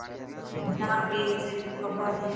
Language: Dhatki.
منان اگي هي سڄي کبر هتي.